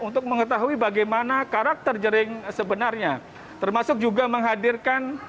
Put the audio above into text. untuk mengetahui bagaimana karakter jering sebenarnya termasuk juga menghadirkan